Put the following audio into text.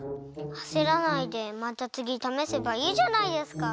あせらないでまたつぎためせばいいじゃないですか。